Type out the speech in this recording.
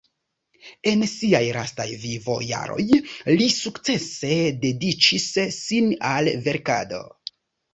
En siaj lastaj vivo-jaroj, li sukcese dediĉis sin al verkado.